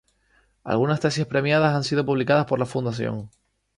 Algunas tesis premiadas han sido publicadas por la Fundación.